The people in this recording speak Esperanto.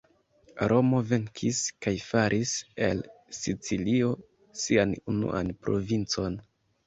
Romo venkis, kaj faris el Sicilio sian unuan provincon.